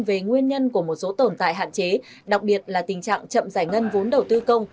về nguyên nhân của một số tồn tại hạn chế đặc biệt là tình trạng chậm giải ngân vốn đầu tư công